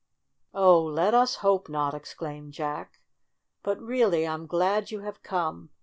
"Oh, let us hope not!" exclaimed Jack. "But, really, I'm glad you have come.